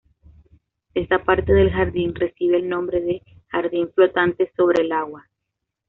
Esta parte del jardín recibe el nombre de "Jardín flotante sobre el agua".